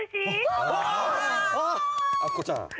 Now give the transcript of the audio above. あっこちゃん。